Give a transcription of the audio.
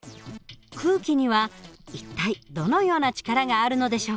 空気には一体どのような力があるのでしょうか。